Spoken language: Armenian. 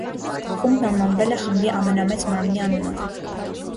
Խումբն անվանվել է խմբի ամենամեծ մարմնի անունով։